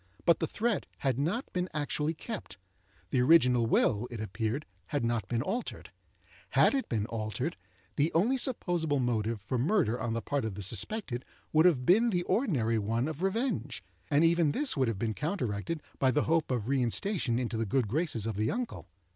But the threat had not been actually kept; the original will, it appeared, had not been altered. Had it been altered, the only supposable motive for murder on the part of the suspected would have been the ordinary one of revenge; and even this would have been counteracted by the hope of reinstation into the good graces of the uncle.